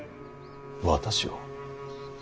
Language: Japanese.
私を。